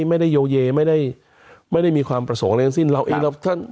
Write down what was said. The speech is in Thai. ไม่ได้โยเยไม่ได้มีความประสงค์อะไรอย่างสิ้น